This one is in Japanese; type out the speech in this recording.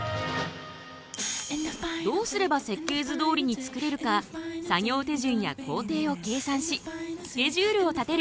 どうすれば設計図どおりにつくれるか作業手順や工程を計算しスケジュールを立てる。